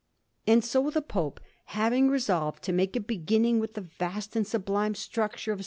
And so, the Pope having resolved to make a beginning with the vast and sublime structure of S.